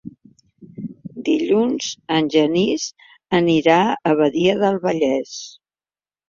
Dilluns en Genís anirà a Badia del Vallès.